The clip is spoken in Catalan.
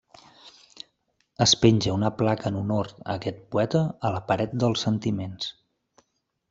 Es penja una placa en honor a aquest poeta a la Paret dels sentiments.